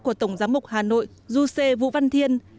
của tổng giám mục hà nội du sê vũ văn thiên